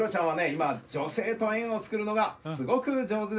今女性とえんを作るのがすごく上手ですよね。